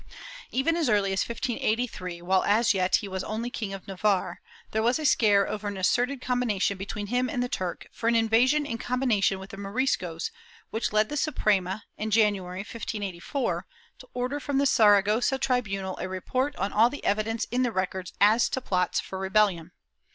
Even as early as 1583, while as yet he was only King of Navarre, there was a scare over an asserted combination between him and the Turk, for an invasion in combination with the Moris cos, which led the Suprema, in January, 1584, to order from the Saragossa tribunal a report on all the evidence in the records as to plots for rebellion.